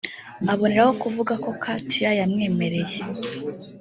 aboneraho kuvuga ko Katie yamwemereye